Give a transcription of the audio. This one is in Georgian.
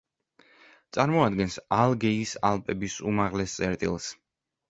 წარმოადგენს ალგეის ალპების უმაღლეს წერტილს.